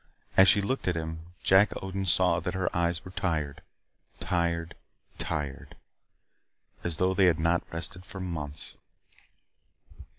As she looked at him, Jack Odin saw that her eyes were tired tired tired. As though they had not rested for months.